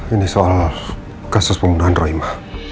ini soal kasus pembunuhan rohimah